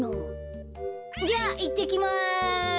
じゃあいってきます。